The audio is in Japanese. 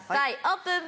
オープン。